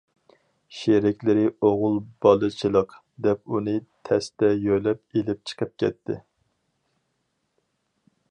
شېرىكلىرى ئوغۇل بالىچىلىق، دەپ ئۇنى تەستە يۆلەپ ئېلىپ چىقىپ كەتتى.